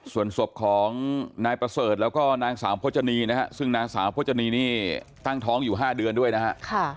ส่วนศพของนายประเสริฐแล้วก็นางสาวพจนีนะฮะซึ่งนางสาวพจนีนี่ตั้งท้องอยู่๕เดือนด้วยนะฮะ